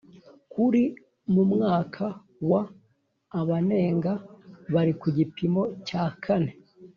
kuri mu mwaka wa Abanenga bari ku gipimo cya kane